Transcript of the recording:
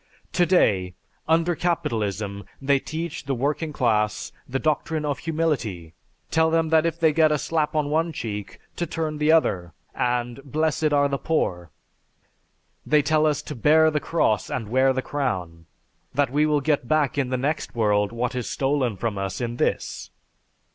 "To day, under Capitalism, they teach the working class the doctrine of humility: tell them that if they get a slap on one cheek to turn the other, and, 'blessed are the poor.' They tell us to bear the cross and wear the crown, that we will get back in the next world what is stolen from us in this.